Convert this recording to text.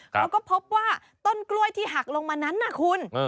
เขาก็พบว่าต้นกล้วยที่หักลงมานั้นน่ะคุณ